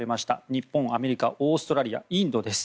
日本、アメリカオーストラリア、インドです。